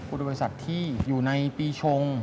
อุตโภยศัพท์ที่อยู่ในปีชง